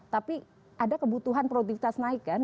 tapi ada kebutuhan produktivitas naik kan